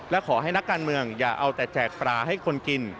และขอให้นักการเมืองอย่าเอาแต่แจกปลาให้คนกิน